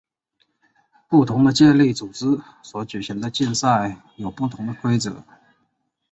不同的健力组织所举行的竞赛有不同的规则。